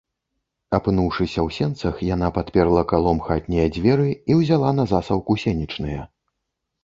Апынуўшыся ў сенцах, яна падперла калом хатнія дзверы і ўзяла на засаўку сенечныя.